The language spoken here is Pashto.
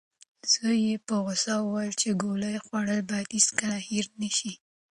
زوی یې په غوسه وویل چې ګولۍ خوړل باید هیڅکله هېر نشي.